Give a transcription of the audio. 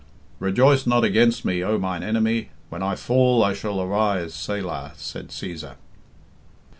"Rejoice not against me, O mine enemy. When I fall I shall arise. Selah," said Cæsar.